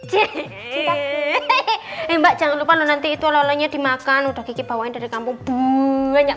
hehehehe mbak jangan lupa lo nanti itu lalanya dimakan udah kiki bawain dari kampung banyak